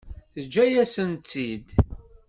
Teǧǧa-yasent-tt-id.